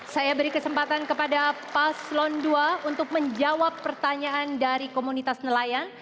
saya beri kesempatan kepada pak slon ii untuk menjawab pertanyaan dari komunitas nelayan